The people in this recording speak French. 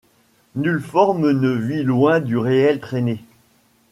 Nulle forme ne vit loin du réel traînée ;